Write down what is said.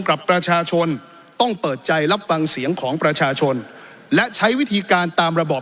กับประชาชนต้องเปิดใจรับฟังเสียงของประชาชนและใช้วิธีการตามระบอบ